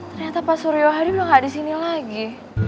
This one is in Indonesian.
ternyata pak suryo hadi belum ada di sini lagi